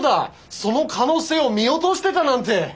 その可能性を見落としてたなんて！